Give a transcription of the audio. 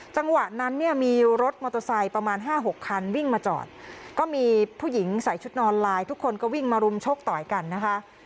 จังหวะนั้นเนี่ยมีรถมอเตอร์ไซค์ประมาณห้าหกคันวิ่งมาจอดก็มีผู้หญิงใส่ชุดนอนไลน์ทุกคนก็วิ่งมารุมชกต่อยกันนะคะ